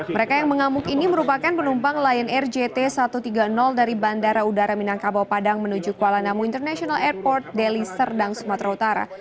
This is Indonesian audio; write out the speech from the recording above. mereka yang mengamuk ini merupakan penumpang lion air jt satu ratus tiga puluh dari bandara udara minangkabau padang menuju kuala namu international airport deli serdang sumatera utara